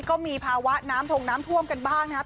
ก็มีภาวะน้ำทงน้ำท่วมกันบ้างนะครับ